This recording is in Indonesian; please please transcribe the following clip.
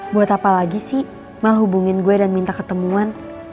buat apa lagi sih mal hubungin gue dan minta ketemuan